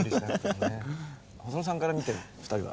細野さんから見て２人は？